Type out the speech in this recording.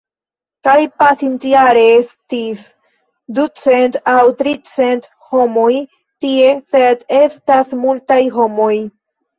Kaj pasintjare estis ducent aŭ tricent homoj tie sed estas multaj homoj.